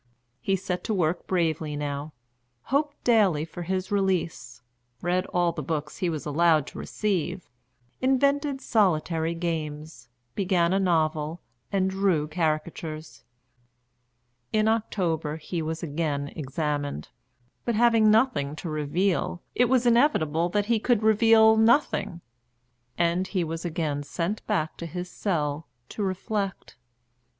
He set to work bravely now; hoped daily for his release; read all the books he was allowed to receive, invented solitary games, began a novel, and drew caricatures. In October he was again examined; but, having nothing to reveal, it was inevitable that he could reveal nothing; and he was again sent back to his cell "to reflect."